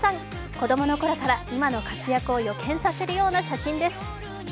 子供のころから今の活躍を予見させるような写真です。